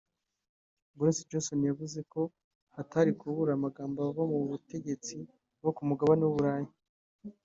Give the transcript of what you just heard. Boris Johnson yavuze ko hatari kubura amagambo ava mu bategetsi bo ku mugabane w’u Burayi